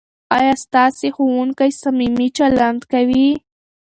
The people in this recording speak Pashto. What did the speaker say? ایا ستا ښوونکی صمیمي چلند کوي؟